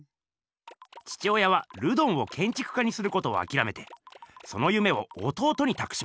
父親はルドンをけんちく家にすることをあきらめてその夢を弟にたくします。